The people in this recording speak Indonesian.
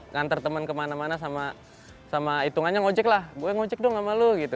ngantar temen kemana mana sama hitungannya ngocek lah gue ngocek dong sama lu gitu